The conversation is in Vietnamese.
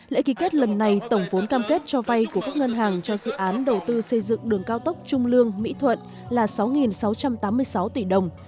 lễ ký kết lần này tổng vốn cam kết cho vay của các ngân hàng cho dự án đầu tư xây dựng đường cao tốc trung lương mỹ thuận là sáu sáu trăm tám mươi sáu tỷ đồng